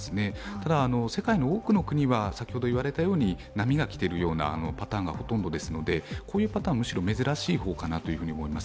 ただ、世界の多くの国は波が来ているようなパターンがほとんどですので、こういうパターンはむしろ珍しい方かなと思います。